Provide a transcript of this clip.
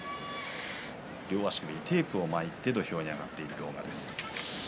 両足首にテープを巻いて土俵に上がっている一山本です。